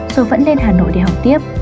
rồi vẫn lên hà nội để học tiếp